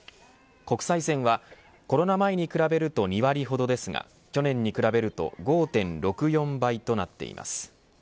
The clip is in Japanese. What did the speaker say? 国際線は、コロナ前に比べると２割ほどですが、去年に比べると５．６４倍となっています。